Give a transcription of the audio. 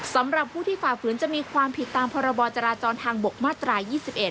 สำหรับผู้ที่ฝ่าฝืนจะมีความผิดตามพรบจราจรทางบกมาตรา๒๑